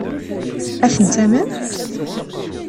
Ad ten-tamen?